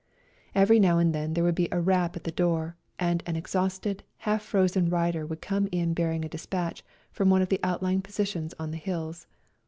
Every now and then there would be a rap at the door, and an exhausted, half frozen rider would come in bearing a despatch from one of the outlying positions on the hills.